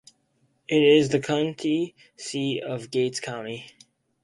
It is the county seat of Gates County.